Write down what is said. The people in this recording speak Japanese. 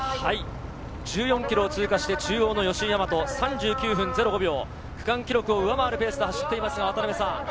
１４ｋｍを通過して中央の吉居大和３９分０５秒、区間記録を上回るペースで走っています。